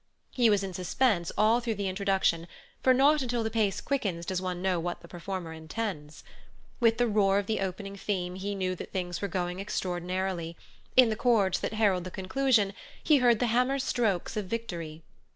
He was in suspense all through the introduction, for not until the pace quickens does one know what the performer intends. With the roar of the opening theme he knew that things were going extraordinarily; in the chords that herald the conclusion he heard the hammer strokes of victory.